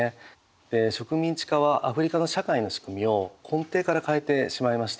植民地化はアフリカの社会の仕組みを根底から変えてしまいました。